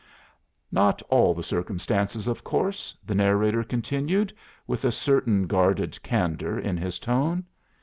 "Not all the circumstances, of course," the narrator continued, with a certain guarded candour in his tone.